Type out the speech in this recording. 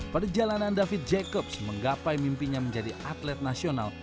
perjalanan david jacobs menggapai mimpinya menjadi atlet nasional